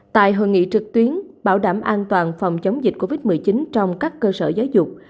tại hội nghị trực tuyến bảo đảm an toàn phòng chống dịch covid một mươi chín trong các cơ sở giáo dục